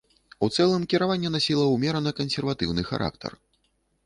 У цэлым кіраванне насіла ўмерана кансерватыўны характар.